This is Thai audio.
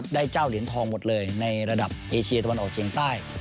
เจ้าเหรียญทองหมดเลยในระดับเอเชียตะวันออกเฉียงใต้